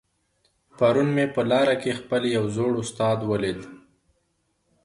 پرون مي په لاره کي خپل یو زوړ استاد ولیدی.